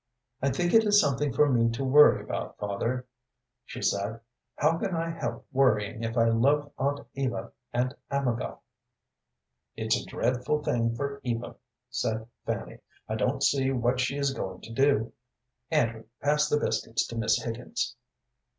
"I think it is something for me to worry about, father," she said. "How can I help worrying if I love Aunt Eva and Amabel?" "It's a dreadful thing for Eva," said Fanny. "I don't see what she is going to do. Andrew, pass the biscuits to Miss Higgins."